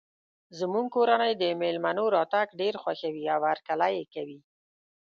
زموږ کورنۍ د مېلمنو راتګ ډیر خوښوي او هرکلی یی کوي